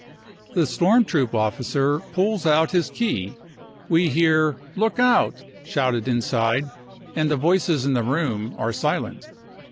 The storm troop officer pulls out his key. We hear c look out 1 ' shouted inside, and the voices in the room are silent.